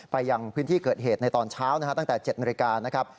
ไปยังพื้นที่เกิดเหตุในตอนเช้าตั้งแต่๗นาที